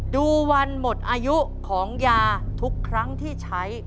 ดูวันหมดอายุของยาทุกครั้งที่ใช้